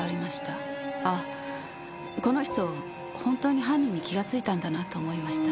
ああこの人本当に犯人に気がついたんだなと思いました。